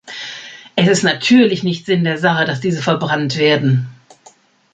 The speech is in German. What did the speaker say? Es ist natürlich nicht Sinn der Sache, dass diese verbrannt werden.